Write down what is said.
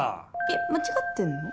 えっ間違ってんの？